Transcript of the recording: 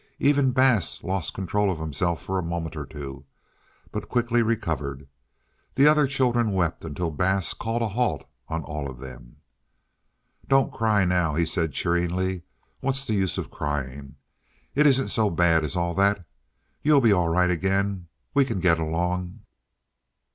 Even Bass lost control of himself for a moment or two, but quickly recovered. The other children wept, until Bass called a halt on all of them. "Don't cry now," he said cheeringly. "What's the use of crying? It isn't so bad as all that. You'll be all right again. We can get along."